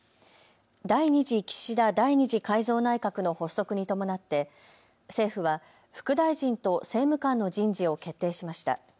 第２次岸田第２次改造内閣の発足に伴って政府は副大臣と政務官の人事を決定しました。